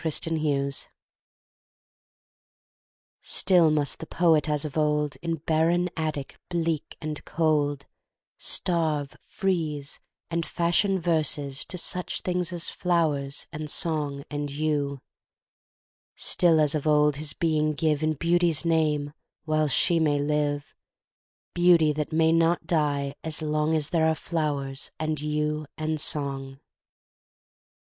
To Kathleen STILL must the poet as of old, In barren attic bleak and cold, Starve, freeze, and fashion verses to Such things as flowers and song and you; Still as of old his being give In Beauty's name, while she may live, Beauty that may not die as long As there are flowers and you and song.